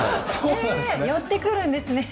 え寄ってくるんですね。